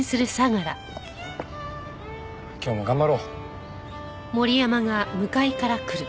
今日も頑張ろう。